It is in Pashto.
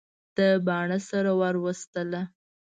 ده باڼه سره ور وستله.